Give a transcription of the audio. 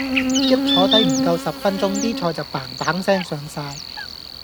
一坐低唔夠十分鐘啲菜就砰砰聲上晒